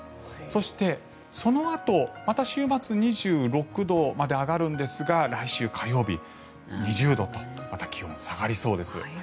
そして、そのあとまた週末２６度まで上がるんですが来週火曜日、２０度とまた気温が下がりそうです。